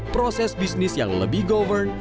proses bisnis yang lebih govern